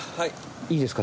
いいですか？